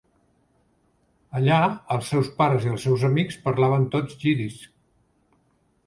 Allà, els seus pares i els seus amics parlaven tots jiddisch.